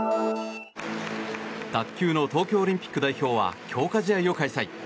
卓球の東京オリンピック代表は強化試合を開催。